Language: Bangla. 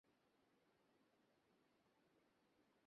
লেখাপড়ার বিষয়ের মতো তাঁর লেখা বইয়েরও বিষয় ছিল ভাষা এবং ভাষাবিজ্ঞান।